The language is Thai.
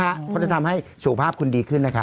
เพราะจะทำให้สถุภาพคุณดีขึ้นนะคะ